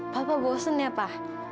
papa bosen ya pa